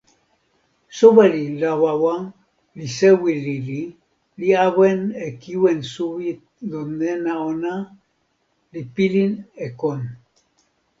soweli Lawawa li sewi lili, li awen e kiwen suwi lon nena ona, li pilin e kon.